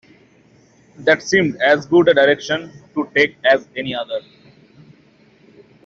That seemed as good a direction to take as any other.